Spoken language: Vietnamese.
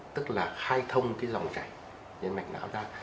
tức là khai thông cái dòng chảy nhân mạch não ra